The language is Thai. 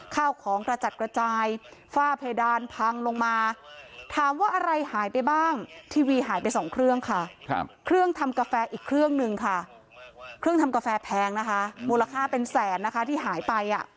ข้าวของกระจัดกระจายฝ้าเพดานพังลงมาถามว่าอะไรหายไปบ้างทีวีหายไปสองเครื่องค่ะเครื่องทำกาแฟอีกเครื่องหนึ่งค่ะเครื่องทำกาแฟแพงนะคะมูลค่าเป็นแสนนะคะที่หายไป